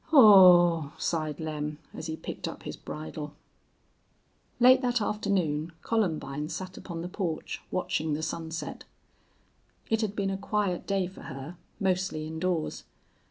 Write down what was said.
"Awl" sighed Lem, as he picked up his bridle. Late that afternoon Columbine sat upon the porch, watching the sunset. It had been a quiet day for her, mostly indoors.